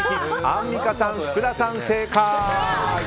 アンミカさん、福田さん正解。